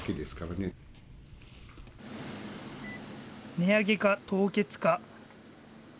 値上げか凍結か。